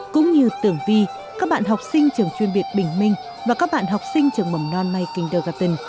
cũng như tường vi các bạn học sinh trường chuyên việt bình minh và các bạn học sinh trường mầm non my kindergarten